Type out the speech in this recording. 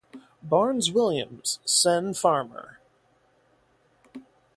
Barnes William, sen. farmer.